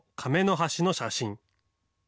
橋の写真。